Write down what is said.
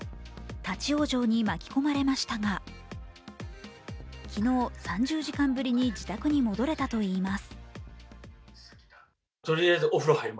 立往生に巻き込まれましたが、昨日３０時間ぶりに自宅に戻れたといいます。